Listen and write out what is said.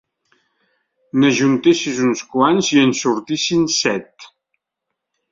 N'ajuntessis uns quants i en sortissin set.